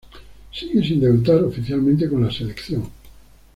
Sigue sin debutar oficialmente con la selección.